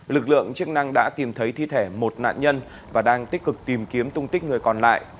lực lượng chức năng đã tìm thấy thi thể một nạn nhân và đang tích cực tìm kiếm tung tích người còn lại